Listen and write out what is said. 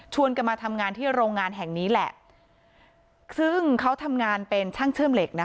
กันมาทำงานที่โรงงานแห่งนี้แหละซึ่งเขาทำงานเป็นช่างเชื่อมเหล็กนะคะ